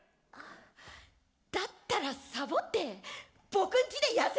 だったらサボって僕んちで休みますか？